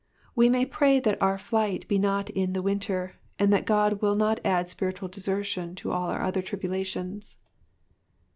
We may pray that our flight be not in the winter, and that God will not add spiritual desertion to all our other tribulations.